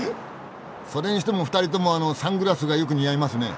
それにしても２人ともあのサングラスがよく似合いますね。